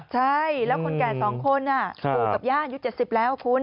ใช่แล้วคนแก่๒คนปู่กับย่าอายุ๗๐แล้วคุณ